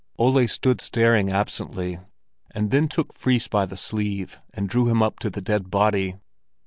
Ole stood staring absently, and then took Fris by the sleeve and drew him up to the dead body.